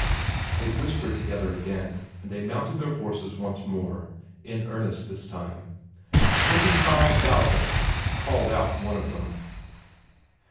They whispered together again, and they mounted their horses once more in earnest this time. "Twenty five thousand!" called out one of them.